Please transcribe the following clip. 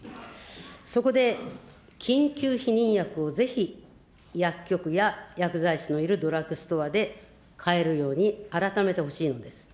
そこで、緊急避妊薬をぜひ薬局や薬剤師のいるドラッグストアで買えるように改めてほしいのです。